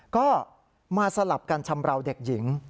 ก็มาสลับกันชำราวเด็กหญิง